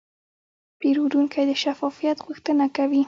پیرودونکی د شفافیت غوښتنه کوي.